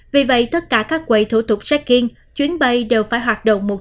vì vậy tất cả các quầy thủ tục check in chuyến bay đều phải hoạt động một trăm linh